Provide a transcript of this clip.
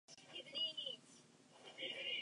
店家一定會列印那張明細